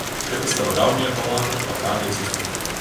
Гэта старадаўняя балада пра брата і сястру.